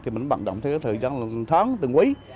thì mình vận động theo thời gian một tháng từng quý